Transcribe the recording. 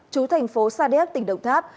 trú thành phố sa đéc tỉnh đồng tháp